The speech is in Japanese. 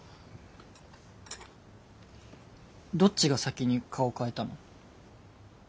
どっちが先に顔変えたの？